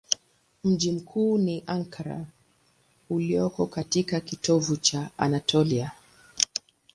Mji mkuu ni Ankara ulioko katika kitovu cha Anatolia.